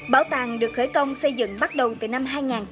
bảo tàng được khởi công xây dựng bắt đầu từ năm hai nghìn hai